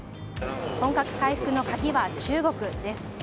本格回復の鍵は中国です。